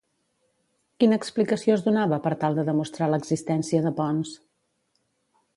Quina explicació es donava per tal de demostrar l'existència de Ponç?